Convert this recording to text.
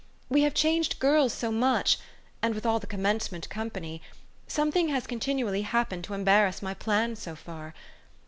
We have changed girls so much and with all the Commencement company something has continually happened to embarrass my plans so far.